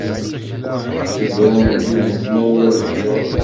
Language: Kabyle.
S ugrambi bu tmanya n lexyuḍ.